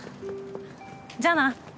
じゃあな。